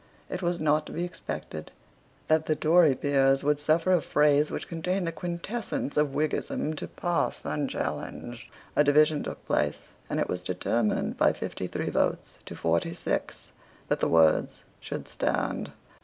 It was not to be expected that the Tory peers would suffer a phrase which contained the quintessence of Whiggism to pass unchallenged. A division took place; and it was determined by fifty three votes to forty six that the words should stand.